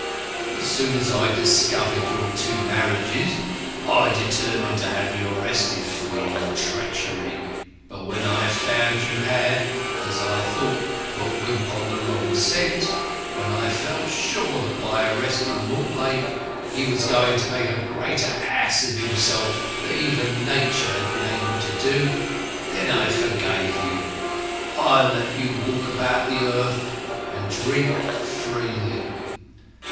As soon as I discovered your two marriages I determined to have you arrested for your treachery. But when I found you had, as I thought, put Wimp on the wrong scent, when I felt sure that by arresting Mortlake he was going to make a greater ass of himself than even nature had been able to do, then I forgave you. I let you walk about the earth and drink freely.